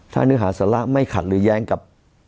ถ้าเนื้อหาสาระไม่ขัดหรือแย้งกับ